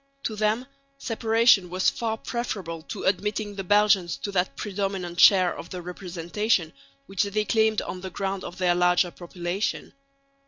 To them separation was far preferable to admitting the Belgians to that predominant share of the representation which they claimed on the ground of their larger population.